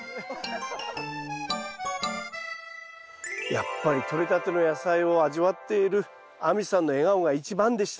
やっぱりとれたての野菜を味わっている亜美さんの笑顔が一番でした！